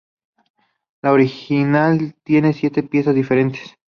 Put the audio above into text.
La original tiene siete piezas diferentes.